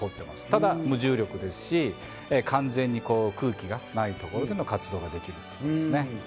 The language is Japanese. ただ無重力ですし、完全に空気がないところでの活動ができるということです。